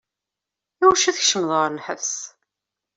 Iwacu tkecmeḍ ɣer lḥebs?